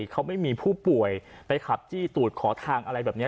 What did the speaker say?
เขาไม่มีผู้ป่วยไปขับจี้ตูดขอทางอะไรแบบนี้